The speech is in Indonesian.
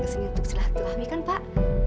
kesini untuk celah terahwi kan pak